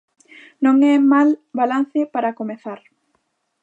Non é mal balance para comezar.